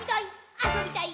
あそびたい！